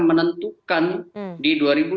menentukan di dua ribu dua puluh